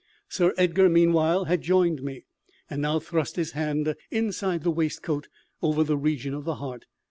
Sir Edgar, meanwhile, had joined me, and now thrust his hand inside the waistcoat, over the region of the heart.